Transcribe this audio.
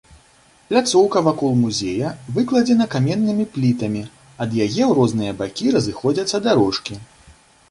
Пляцоўка вакол музея выкладзена каменнымі плітамі, ад яе ў розныя бакі разыходзяцца дарожкі.